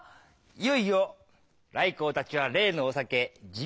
いよいよ頼光たちは例のお酒神